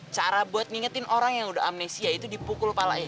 cara buat ngingetin orang yang udah amnesia itu dipukul palain